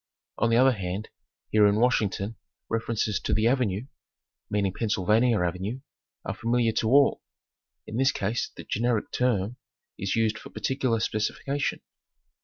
On the other hand here in Washington references to "the Avenue" meaning Pennsylvania Avenue are familiar to all. In this case the generic term is used for particular specification.